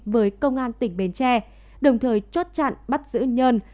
với công an tỉnh bến tre đồng thời chốt chặn bắt giữ nhân